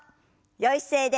よい姿勢で。